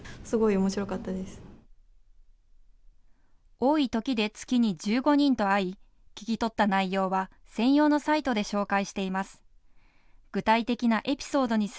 多いときで月に１５人と会い聞き取った内容は専用のサイトで紹介しています。